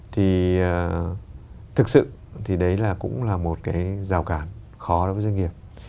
thì thực sự thì đấy là cũng là một cái rào cản khó đối với doanh nghiệp